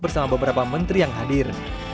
dan beberapa menteri yang hadir